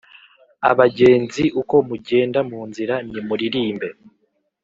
Abagenzi Uko Mugenda Mu Nzira Nimuririmbe